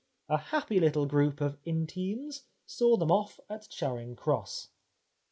A happy little group of intimes saw them off at Charing Cross."